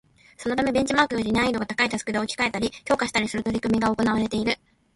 そのためベンチマークをより難易度が高いタスクで置き換えたり、強化したりする取り組みが行われている